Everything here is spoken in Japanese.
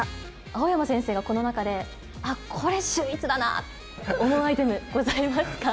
青山先生が、この中であっ、これ、秀逸だなって思うアイテム、ございますか。